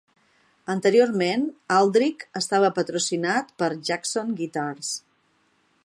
Anteriorment, Aldrich estava patrocinat per Jackson Guitars.